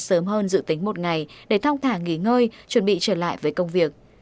sớm hơn dự tính một ngày để thong thả nghỉ ngơi chuẩn bị trở lại với công việc